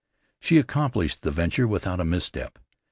She accomplished the venture without a misstep.